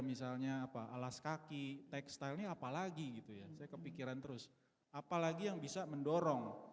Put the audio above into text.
misalnya alas kaki tekstil ini apa lagi gitu ya saya kepikiran terus apa lagi yang bisa mendorong